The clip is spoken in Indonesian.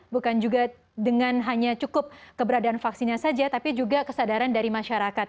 bukan juga dengan hanya cukup keberadaan vaksinnya saja tapi juga kesadaran dari masyarakat